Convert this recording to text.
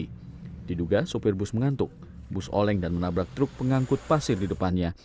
diduga sopir bus mengantuk bus oleng dan menabrak truk pengangkut pasir di depannya